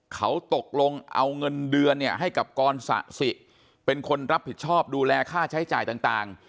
เขาตกลงเอาเงินเดือนเนี่ยให้กับกรสะสิเป็นคนรับผิดชอบดูแลค่าใช้จ่ายต่าง